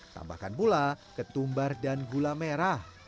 tambahkan pula ketumbar dan gula merah